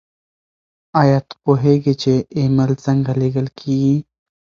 ایا ته پوهېږې چې ایمیل څنګه لیږل کیږي؟